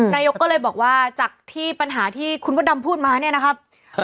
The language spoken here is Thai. นายกก็เลยบอกว่าจากที่ปัญหาที่คุณมดดำพูดมาเนี่ยนะครับ